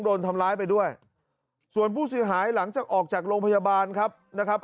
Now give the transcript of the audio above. โดนทำร้ายไปด้วยส่วนผู้เสียหายหลังจากออกจากโรงพยาบาลครับนะครับ